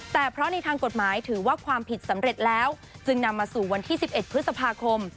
แต่เพราะในทางกฎหมายถือว่าความผิดสำเร็จแล้วจึงนำมาสู่วันที่๑๑พฤษภาคม